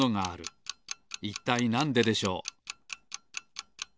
いったいなんででしょう？